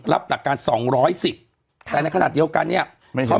รับหลักการสองร้อยสิบแต่ในขณะเดียวกันเนี่ยไม่เข้า